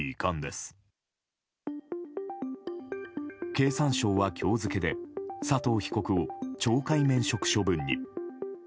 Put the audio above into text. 経産省は今日付で佐藤被告を懲戒免職処分に。